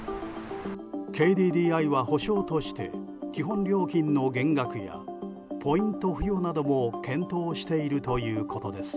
ＫＤＤＩは補償として基本料金の減額やポイント付与なども検討しているということです。